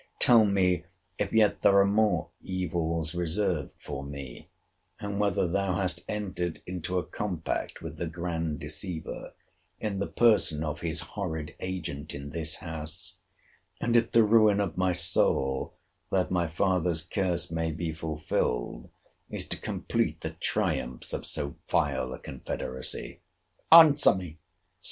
—Tell me, if yet there are more evils reserved for me; and whether thou hast entered into a compact with the grand deceiver, in the person of his horrid agent in this house; and if the ruin of my soul, that my father's curse may be fulfilled, is to complete the triumphs of so vile a confederacy?—Answer me!